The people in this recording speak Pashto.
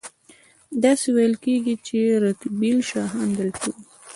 داسې ویل کیږي چې رتبیل شاهان دلته وو